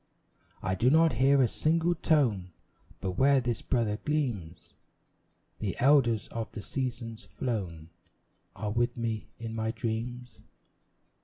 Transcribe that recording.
I do not hear a single tone; But where this brother gleams, The elders of the seasons flown Are with me in my dreams.